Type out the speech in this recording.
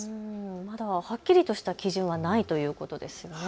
まだはっきりとした基準はないということですよね。